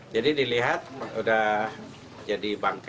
jadi dilihat sudah jadi bangke